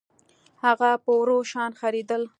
هغه په ورو شان خرېدل